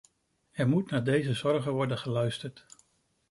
Er moet naar deze zorgen worden geluisterd.